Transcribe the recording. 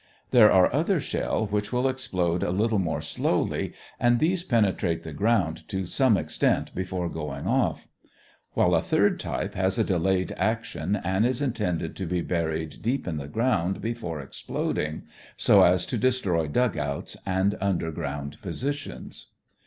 There are other shell which will explode a little more slowly and these penetrate the ground to some extent before going off; while a third type has a delayed action and is intended to be buried deep in the ground before exploding, so as to destroy dugouts and underground positions.